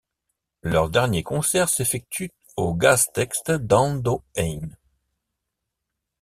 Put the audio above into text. Leur dernier concert s'effectue au gaztetxe d'Andoain.